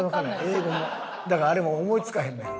だからあれも思い付かへんねん。